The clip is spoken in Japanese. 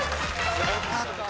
よかった。